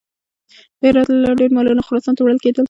د هرات له لارې ډېر مالونه خراسان ته وړل کېدل.